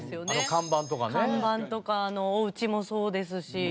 看板とかあのおうちもそうですし。